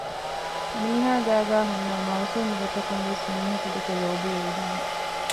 މީހާ ގައިގައި ހުންނަ މައުސޫމުގޮތަކުންވެސް މީހަކު ދެކެ ލޯބިވެވިދާނެ